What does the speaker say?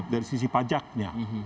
dari sisi pajaknya